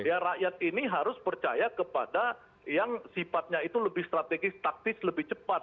ya rakyat ini harus percaya kepada yang sifatnya itu lebih strategis taktis lebih cepat